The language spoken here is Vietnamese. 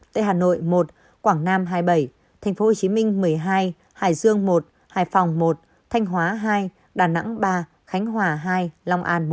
tại hà nội một quảng nam hai mươi bảy tp hcm một mươi hai hải dương một hải phòng một thanh hóa hai đà nẵng ba khánh hòa hai long an